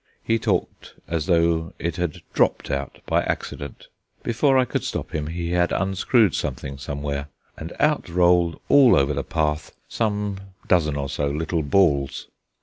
He talked as though it had dropped out by accident. Before I could stop him he had unscrewed something somewhere, and out rolled all over the path some dozen or so little balls.